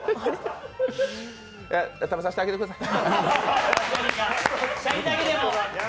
食べさしてあげてください。